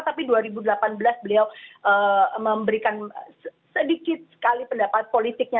tapi dua ribu delapan belas beliau memberikan sedikit sekali pendapat politiknya